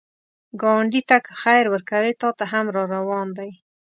ګاونډي ته که خیر ورکوې، تا ته هم راروان دی